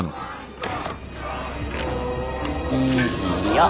いいよ。